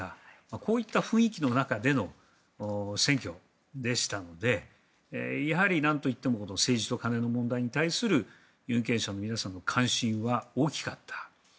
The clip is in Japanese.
こういった雰囲気の中での選挙でしたのでやはり、なんといっても政治と金の問題に対する有権者の皆さんの関心は大きかった。